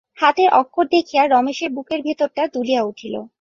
হাতের অক্ষর দেখিয়া রমেশের বুকের ভিতরটা দুলিয়া উঠিল।